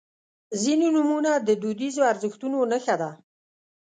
• ځینې نومونه د دودیزو ارزښتونو نښه ده.